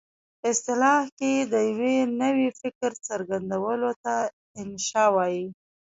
په اصطلاح کې د یوه نوي فکر څرګندولو ته انشأ وايي.